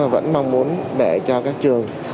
vẫn mong muốn để cho các trường